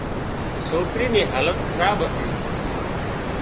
سوڪري نِي حالت خراب هتي